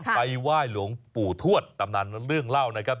ไปไหว้หลวงปู่ทวดตำนานเรื่องเล่านะครับ